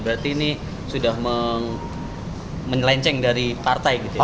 berarti ini sudah mengelenceng dari partai